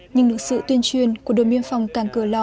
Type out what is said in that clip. nhưng được sự tuyên truyền của đồn biên phòng cảng cửa lò